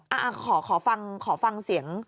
อ่าขอฟังเสียง